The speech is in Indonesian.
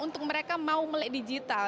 untuk mereka mau melek digital